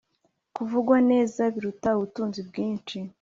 kuvugwa neza biruta ubutunzi bwinshi,